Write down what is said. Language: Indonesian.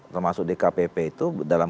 termasuk dkpp itu